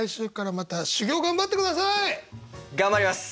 頑張ります。